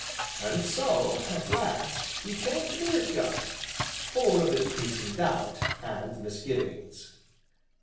And so, at last, he came to the rick yard, full of increasing doubt and misgivings.